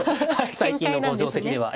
最近の定跡では。